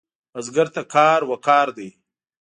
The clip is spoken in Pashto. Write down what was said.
بزګر ته کار وقار دی